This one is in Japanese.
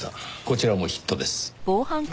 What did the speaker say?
こちらもヒットです。